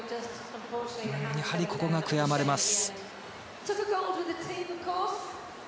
やはり着地が悔やまれます。